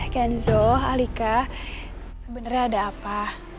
kenzo alika sebenarnya ada apa